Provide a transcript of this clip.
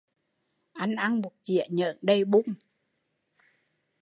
Anh ăn một dĩa nhỡn đầy bun